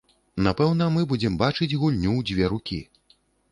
Напэўна, мы будзем бачыць гульню ў дзве рукі.